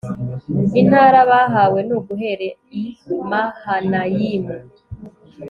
intara bahawe ni uguhera i mahanayimu